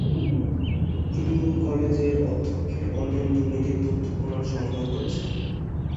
তিনি কলেজে অধ্যক্ষের অনিয়ম দুর্নীতির তথ্য প্রমাণ সংগ্রহ করেছেন।